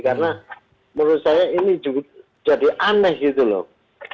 karena menurut saya ini jadi aneh gitu loh